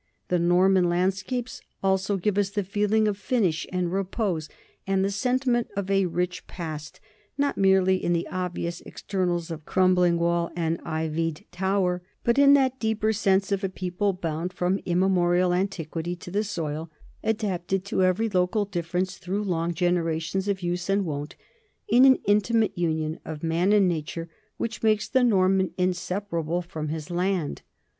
The Nor man landscape also gives us the feeling of finish and re pose and the sentiment of a rich past, not merely in the obvious externals of crumbling wall and ivied tower, but in that deeper sense of a people bound from im memorial antiquity to the soil, adapted to every local 6 NORMANS IN EUROPEAN HISTORY difference through long generations of use and wont, in an intimate union of man and nature which makes the Norman inseparable from his land.